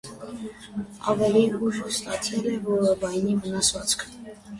Ավելի ուշ ստացել է որովայնի վնասվածք։